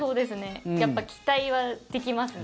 やっぱり期待はできますね。